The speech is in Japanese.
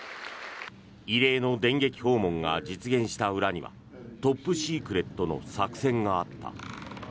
異例の電撃訪問が実現した裏にはトップシークレットの作戦があった。